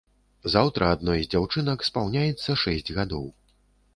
Заўтра адной з дзяўчынак спаўняецца шэсць гадоў.